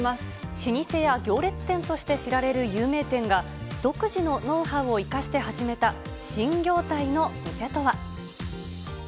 老舗や行列店として知られる有名店が、独自のノウハウを生かして始めた新業態の店とは。